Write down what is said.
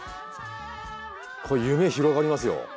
これ夢広がりますよ。